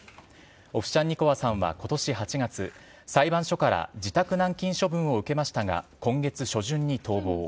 オフシャンニコワさんはことし８月、裁判所から自宅軟禁処分を受けましたが、今月初旬に逃亡。